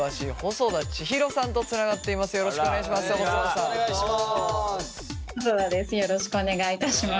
細田です